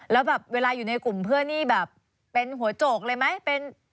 แล้วแบบเวลาอยู่ในกลุ่มเพื่อนนี่แบบเป็นหัวโจกเลยไหม